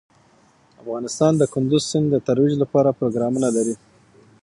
افغانستان د کندز سیند د ترویج لپاره پروګرامونه لري.